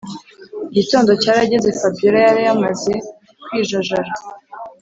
igitondo cyarageze fabiora yari yamaze kwijajara